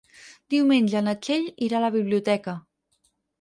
Diumenge na Txell irà a la biblioteca.